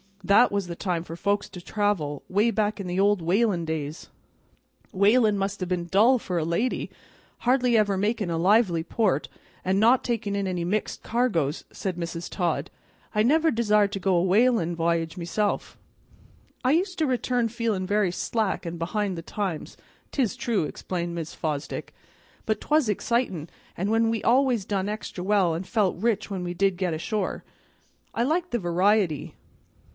That was the time for folks to travel, 'way back in the old whalin' days!" "Whalin' must have been dull for a lady, hardly ever makin' a lively port, and not takin' in any mixed cargoes," said Mrs. Todd. "I never desired to go a whalin' v'y'ge myself." "I used to return feelin' very slack an' behind the times, 'tis true," explained Mrs. Fosdick, "but 'twas excitin', an' we always done extra well, and felt rich when we did get ashore. I liked the variety.